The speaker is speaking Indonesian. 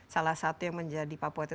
salah satu yang menjadi papua itu